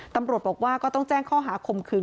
ตำรวจบอกว่าก็ต้องแจ้งข้อหาคมคืน